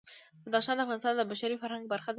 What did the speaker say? بدخشان د افغانستان د بشري فرهنګ برخه ده.